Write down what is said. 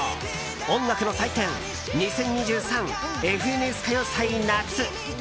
音楽の祭典「２０２３ＦＮＳ歌謡祭夏」。